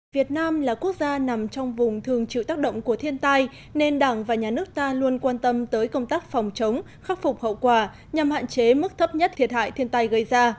việt nam là quốc gia nằm trong vùng thường chịu tác động của thiên tai nên đảng và nhà nước ta luôn quan tâm tới công tác phòng chống khắc phục hậu quả nhằm hạn chế mức thấp nhất thiệt hại thiên tai gây ra